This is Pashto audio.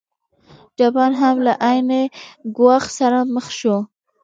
جاپان هم له عین ګواښ سره مخ شو.